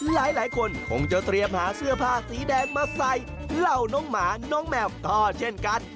หลายคนคงจะเตรียมหาเสื้อผ้าสีแดงมาใส่เหล่าน้องหมาน้องแมวก็เช่นกัน